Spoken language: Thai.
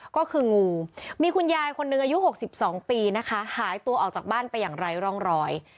ก็คืองูมีคุณยายคนหนึ่งอายุ๖๒ปีนะคะหายตัวออกจากบ้านไปอย่างไร้ร่องรอย